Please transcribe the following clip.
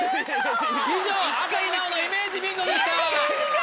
以上朝日奈央のイメージビンゴでした。